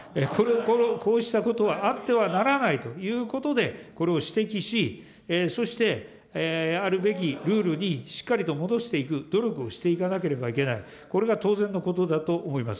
こうしたことはあってはならないということで、これを指摘し、そしてあるべきルールにしっかりと戻していく努力をしていかなければいけない、これが当然のことだと思います。